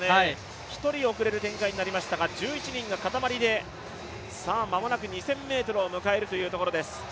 １人遅れる展開になりましたが１１人がかたまりでさあ、間もなく２０００ｍを迎えるというところです。